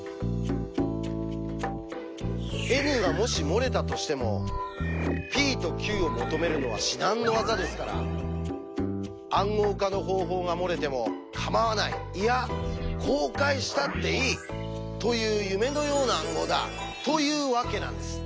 Ｎがもし漏れたとしてもｐとｑを求めるのは至難の業ですから「暗号化の方法」が漏れてもかまわないいや公開したっていい！という夢のような暗号だというわけなんです。